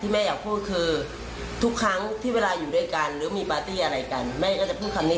แล้วแขกที่มาในงานเนี่ยเขายังไงเขารู้สึกไง